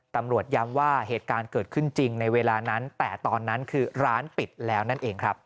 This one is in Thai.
ตำรวจย้ำว่าเหตุการณ์เกิดขึ้นจริงในเวลานั้นแต่ตอนนั้นคือร้านปิดแล้วนั่นเองครับ